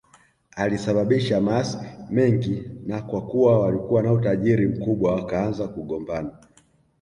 Alisababisha maasi mengi na kwa kuwa walikuwa na utajiri mkubwa wakaanza kugombana